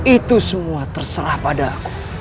itu semua terserah padaku